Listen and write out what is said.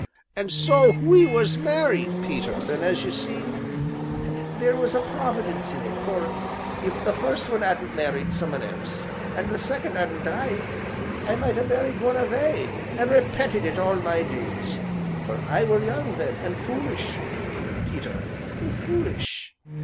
An' so we was married, Peter, an' as you see, theer was a Providence in it, for, if the first one 'adn't married some 'un else, an' the second 'adn't died, I might ha' married one o' they, an' repented it all my days, for I were young then, an' fulish, Peter, fulish."